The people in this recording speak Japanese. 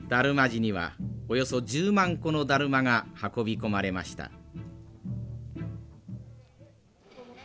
達磨寺にはおよそ１０万個のだるまが運び込まれました。